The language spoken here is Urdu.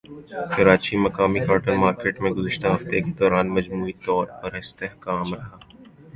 کراچیمقامی کاٹن مارکیٹ میں گزشتہ ہفتے کے دوران مجموعی طور پر استحکام رہا